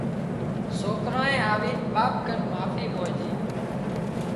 سوڪرانئي آوينَ ٻاپ ڪنين معافي مانڄي